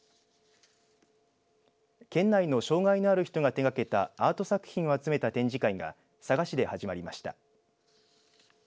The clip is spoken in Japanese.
県内の障害のある人が手がけたアート作品を集めた展示会が佐賀市で始まりました。